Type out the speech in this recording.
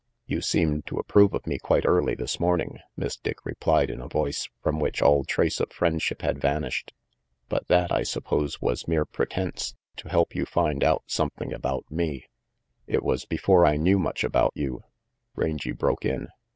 "You seemed to approve of me quite early this morning," Miss Dick replied in a voice from which all trace of friendship had vanished, "but that, I suppose, was merely pretence, to help you find out something about me "It was before I knew much about you," Rangy broke in.